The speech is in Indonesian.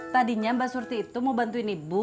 tadinya mbak surti itu mau bantuin ibu